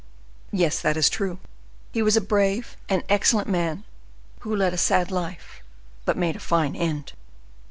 "Yes; that is true; he was a brave, an excellent man, who led a sad life, but made a fine end."